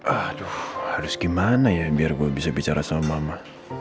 aduh harus gimana ya biar gue bisa bicara sama mama